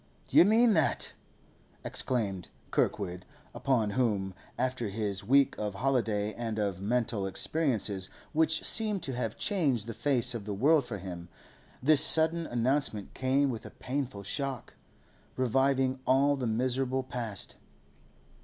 'You mean that?' exclaimed Kirkwood, upon whom, after his week of holiday and of mental experiences which seemed to have changed the face of the world for him, this sudden announcement came with a painful shock, reviving all the miserable past.